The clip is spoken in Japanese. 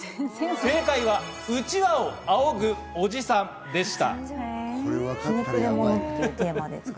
正解は「うちわを扇ぐおじさん」でした。